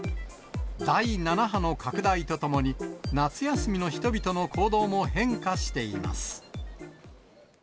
第７波の拡大とともに、夏休みの人々の行動も変化しています。